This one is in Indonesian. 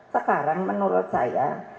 sekarang menurut saya